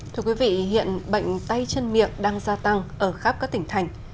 thưa quý vị hiện bệnh tay chân miệng đang gia tăng ở khắp các tỉnh thành